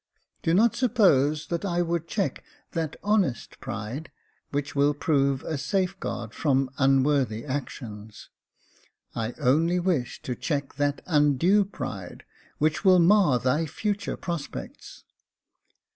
Do not suppose that I would check that honest pride, which will prove a safe guard from unworthy actions. I only wish to check that undue pride which will mar thy future prospects.